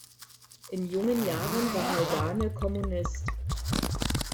In jungen Jahren war Haldane Kommunist.